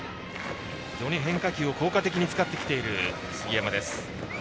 非常に変化球を効果的に使ってきている杉山です。